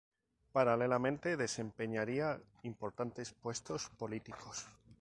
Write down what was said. Paralelamente, desempeñaría importantes puestos políticos.